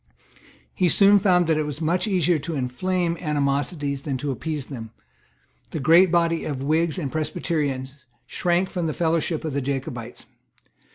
He soon found that it was much easier to inflame animosities than to appease them. The great body Of Whigs and Presbyterians shrank from the fellowship of the Jacobites.